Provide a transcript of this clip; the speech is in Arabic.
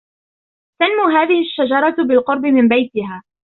تنمو هذه الشجرة بالقرب من بيتها.